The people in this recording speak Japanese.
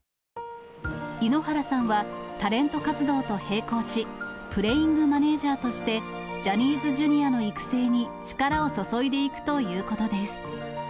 井ノ原さんは、タレント活動と並行し、プレイングマネージャーとして、ジャニーズＪｒ．の育成に力を注いでいくということです。